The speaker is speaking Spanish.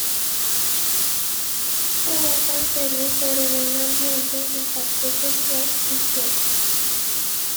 U na serie sobre medio ambiente, impacto social y ciencia.